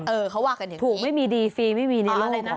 เออเขาว่ากันอย่างนี้ถูกไม่มีดีฟรีไม่มีเนื้ออะไรนะ